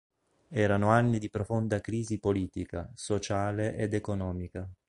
Erano anni di profonda crisi politica, sociale ed economica.